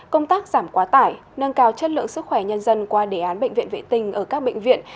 công tác giảm quá tải nâng cao chất lượng sức khỏe nhân dân qua đề án bệnh viện vệ tình ở các bệnh viện